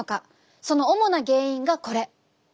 その主な原因がこれ。